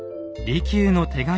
利休の手紙？